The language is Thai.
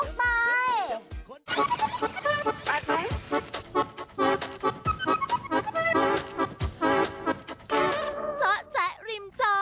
ง่ายยกไป